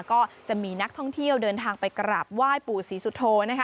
ก็จะมีนักท่องเที่ยวเดินทางไปกราบไหว้ปู่ศรีสุโธนะคะ